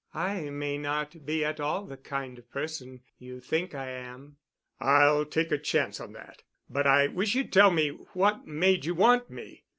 I may not be at all the kind of person you think I am." "I'll take a chance on that—but I wish you'd tell me what made you want me."